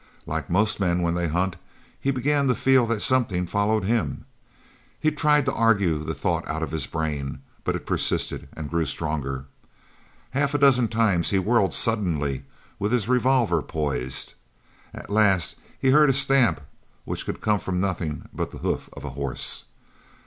Like most men when they hunt, he began to feel that something followed him. He tried to argue the thought out of his brain, but it persisted, and grew stronger. Half a dozen times he whirled suddenly with his revolver poised. At last he heard a stamp which could come from nothing but the hoof of a horse.